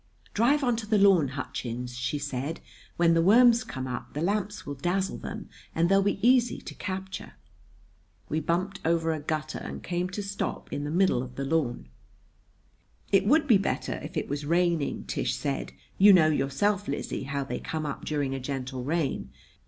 "Drive onto the lawn, Hutchins," she said. "When the worms come up, the lamps will dazzle them and they'll be easy to capture." We bumped over a gutter and came to a stop in the middle of the lawn. "It would be better if it was raining," Tish said. "You know, yourself, Lizzie, how they come up during a gentle rain.